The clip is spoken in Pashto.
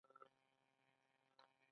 په کور کې به يو څه پرې سد شي.